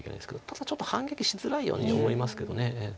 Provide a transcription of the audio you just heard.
ただちょっと反撃しづらいように思いますけど。